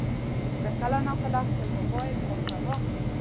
زه کله ناکله خپل موبایل پاکوم.